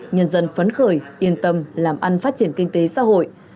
nhân dân phấn khởi yên tâm làm ăn phát triển kinh tế xã hội